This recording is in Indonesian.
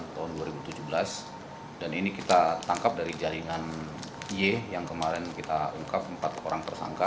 tahun dua ribu tujuh belas dan ini kita tangkap dari jaringan y yang kemarin kita ungkap empat orang tersangka